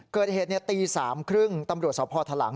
เกิดเหตุตี๓๓๐ตำรวจสพทะหลัง